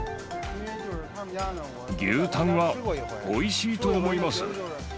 牛タンはおいしいと思います。